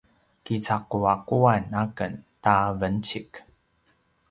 kicaquaquan aken ta vencik